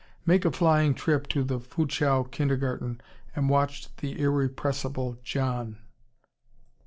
Make a flying trip to the Fuchow Kindergarten and watch "the irrepressible John."